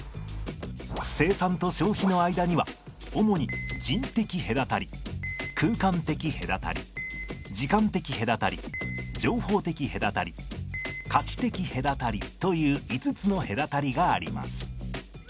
生産と消費の間には主に人的隔たり空間的隔たり時間的隔たり情報的隔たり価値的隔たりという５つの隔たりがあります。